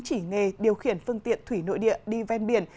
chỉ nghề điều khiển phương tiện thủy nội địa đi ven biển